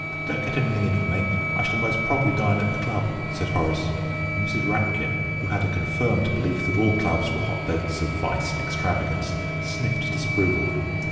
Don't get anything in for me; I shall most probably dine at the club," said Horace; and Mrs. Rapkin, who had a confirmed belief that all clubs were hotbeds of vice and extravagance, sniffed disapproval.